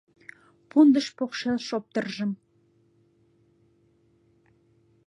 Пундыш покшел шоптыржым